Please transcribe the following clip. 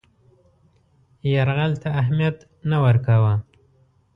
یرغل ته اهمیت نه ورکاوه.